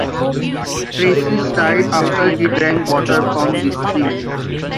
Tiresias died after he drank water from this spring.